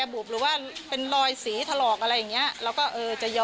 พอเค้าก็คิดว่า